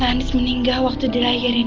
tanta andi meninggal waktu dirayarin